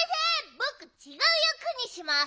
ぼくちがうやくにします。